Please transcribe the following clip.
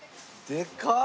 でかっ！